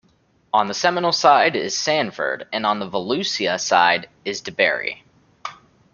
On the Seminole side is Sanford and on the Volusia side is DeBary.